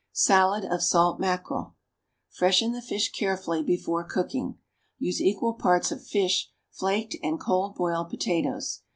=Salad of Salt Mackerel.= Freshen the fish carefully before cooking. Use equal parts of fish, flaked, and cold boiled potatoes.